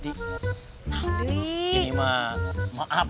hah maaf maaf apa ya pak rete